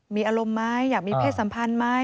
มีอารมณ์ไหมอยากมีเพศสัมพันธ์ไหม